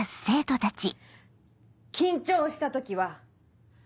緊張した時は。